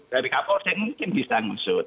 dari kapolsek mungkin bisa ngusut